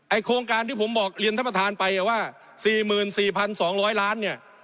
โครงการที่ผมบอกเรียนท่านประธานไปว่า๔๔๒๐๐ล้านเนี่ย